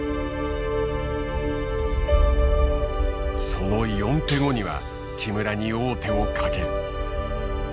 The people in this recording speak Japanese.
その４手後には木村に王手をかける。